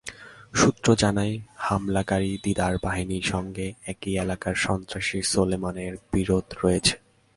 সূত্র জানায়, হামলাকারী দিদার বাহিনীর সঙ্গে একই এলাকার সন্ত্রাসী সোলেমানের বিরোধ রয়েছে।